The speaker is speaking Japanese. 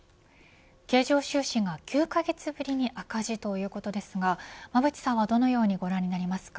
経常収支が９カ月ぶりに赤字ということですが馬渕さんはどのようにご覧になりますか。